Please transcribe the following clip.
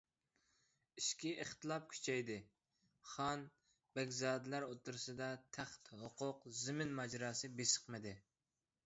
ئىچكى ئىختىلاپ كۈچەيدى، خان، بەگزادىلەر ئوتتۇرىسىدا تەخت، ھوقۇق، زېمىن ماجىراسى بېسىقمىدى.